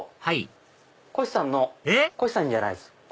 はいこひさんにじゃないです。